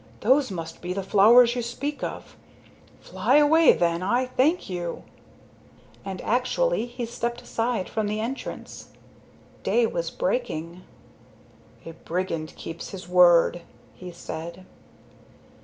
Those must be the flowers you speak of. Fly away, then. I thank you." And actually he stepped aside from the entrance. Day was breaking. "A brigand keeps his word," he said.